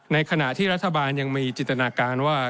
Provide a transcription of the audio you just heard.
ในขณะที่รัฐบาลยังมีจินตนาการว่า